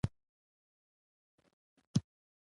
او خلګو د یادو توکو د نرخونو د کنټرول